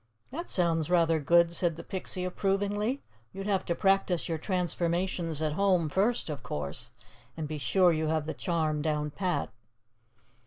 '" "That sounds rather good," said the Pixie approvingly. "You'd have to practice your transformations at home, first, of course, and be sure you have the charm down pat."